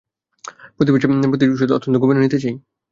প্রতিশোধ অত্যন্ত গোপনে নিতে চাই।